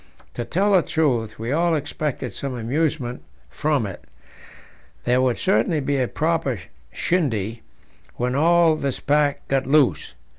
To tell the truth, we also expected some amusement from it; there would certainly be a proper shindy when all this pack got loose.